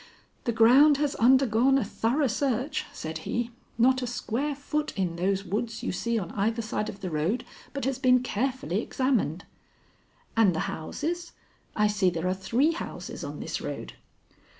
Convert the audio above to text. "The ground has undergone a thorough search," said he. "Not a square foot in those woods you see on either side of the road, but has been carefully examined." "And the houses? I see there are three houses on this road."